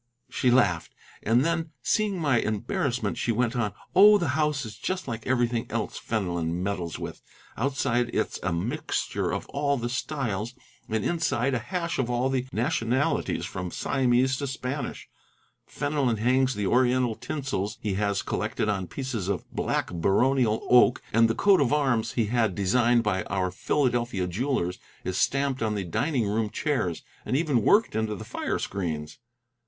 she laughed; and then, seeing my embarrassment, she went on: "Oh, the house is just like everything else Fenelon meddles with. Outside it's a mixture of all the styles, and inside a hash of all the nationalities from Siamese to Spanish. Fenelon hangs the Oriental tinsels he has collected on pieces of black baronial oak, and the coat of arms he had designed by our Philadelphia jewellers is stamped on the dining room chairs, and even worked into the fire screens."